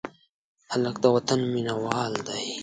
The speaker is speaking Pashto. هلک د وطن مینه وال دی.